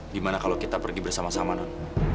gimana kalau kita pergi bersama sama non